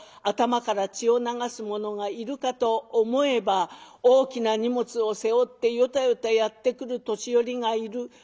頭から血を流す者がいるかと思えば大きな荷物を背負ってヨタヨタやって来る年寄りがいる。